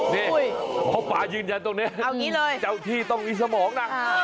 เนี่ยพ่อปลายืนยันตรงนี้เจ้าที่ต้องมีสมองน่ะเออ